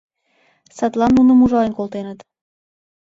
Садлан нуным ужален колтеныт.